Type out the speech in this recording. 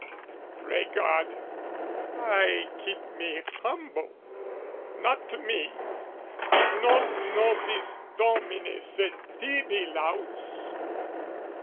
Pray God, I keep me humble: not to me Non nobis, Domine, sed tibi laus!